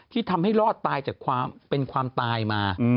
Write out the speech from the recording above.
ที่ทำให้รอดตายจากความเป็นความตายมา